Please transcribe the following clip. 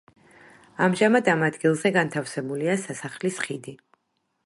ამჟამად ამ ადგილზე განთავსებულია სასახლის ხიდი.